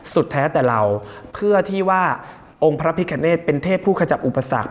แท้แต่เราเพื่อที่ว่าองค์พระพิคเนธเป็นเทพผู้ขจับอุปสรรค